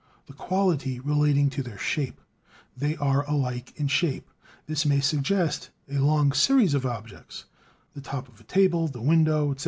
the quality relating to their shape. They are alike in shape. This may suggest a long series of objects: the top of the table, the window, etc.